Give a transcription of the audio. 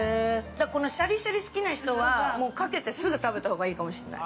◆このシャリシャリ好きな人はかけてすぐ食べたほうがいいかもしんない。